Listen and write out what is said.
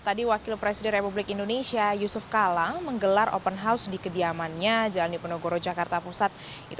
tadi wakil presiden republik indonesia yusuf kala menggelar open house di kediamannya jalan dipenogoro jakarta pusat